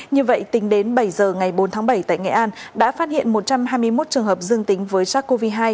như vậy tính đến bảy giờ ngày bốn tháng bảy tại nghệ an đã phát hiện một trăm hai mươi một trường hợp dương tính với sars cov hai